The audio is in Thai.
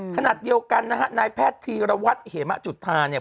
ขณะเดียวกันนะฮะนายแพทย์ธีรวัตรเหมะจุธาเนี่ย